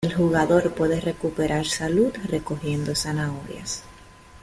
El jugador puede recuperar salud recogiendo zanahorias.